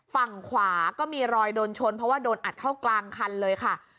ฝั่งขวาก็มีรอยโดนชนเพราะว่าโดนอัดเข้ากลางคันเลยค่ะ